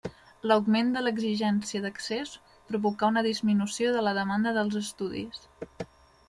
L'augment de l'exigència d'accés provocà una disminució de la demanda dels estudis.